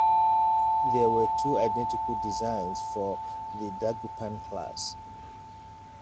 There were two identical designs for the Dagupan class.